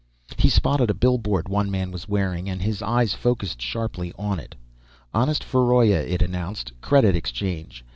He spotted a billboard one man was wearing, and his eyes focused sharply on it. "Honest Feroiya," it announced. "Credit exchange.